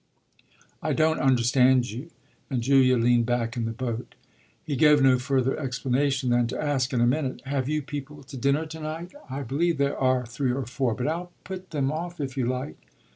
"I don't understand you" and Julia leaned back in the boat. He gave no further explanation than to ask in a minute: "Have you people to dinner to night?" "I believe there are three or four, but I'll put them off if you like."